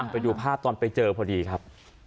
ไปดูภาพตอนไปเจอพอดีครับ